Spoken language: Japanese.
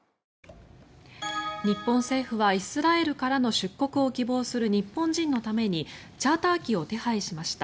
日本政府はイスラエルからの出国を希望する日本人のためにチャーター機を手配しました。